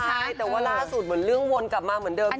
ใช่แต่ว่าล่าสุดเหมือนเรื่องวนกลับมาเหมือนเดิม